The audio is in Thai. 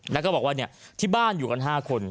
แล้วก็บอกว่าที่บ้านอยู่กัน๕คน